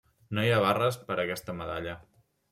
No hi ha barres per a aquesta medalla.